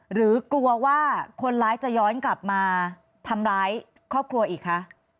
หรือกลัวว่าคนร้ายจะย้อนกลับมาทำร้ายครอบครัวอีกคะ